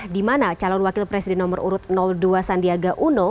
di mana calon wakil presiden nomor urut dua sandiaga uno